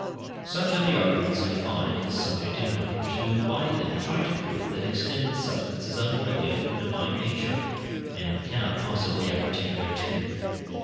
Such are the arguments I find on the subject in writers, who by them try to prove that extended substance is unworthy of the divine nature, and cannot possibly appertain thereto.